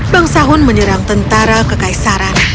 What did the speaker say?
bang sahun menyerang tentara kekaisaran